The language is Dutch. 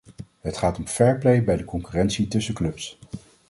Het gaat om fair play bij de concurrentie tussen clubs.